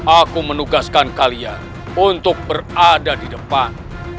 aku menugaskan kalian untuk berada di depan